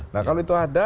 nah kalau itu ada